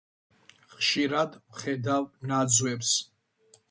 ხშირად ვხედავ ნაძვებს.